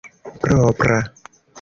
propra